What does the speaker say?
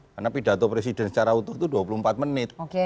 karena pidato presiden secara utuh itu dua puluh empat menit